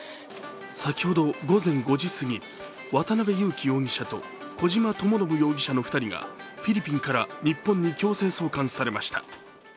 先ほど午前５時過ぎ、渡辺優樹容疑者と小島智信容疑者の２人がフィリピンから日本に強制送還されました。